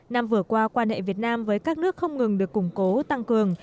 năm vừa qua quan hệ việt nam với các nước không ngừng được củng cố tăng cường